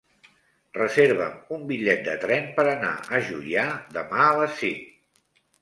Reserva'm un bitllet de tren per anar a Juià demà a les cinc.